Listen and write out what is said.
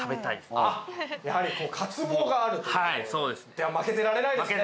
では負けてられないですね。